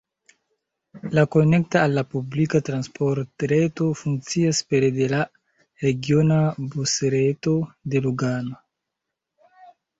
La konekta al la publika transportreto funkcias pere de la regiona busreto de Lugano.